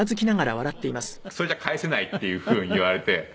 そうすると「それじゃ返せない」っていう風に言われて。